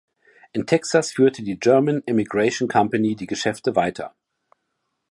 In Texas führte die ""German Emigration Company"" die Geschäfte weiter.